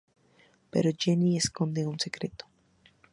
Pero Jennie esconde un secreto.